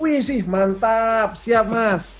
wih sih mantap siap mas